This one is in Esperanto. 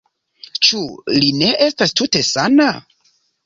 Ĉu li ne estas tute sana?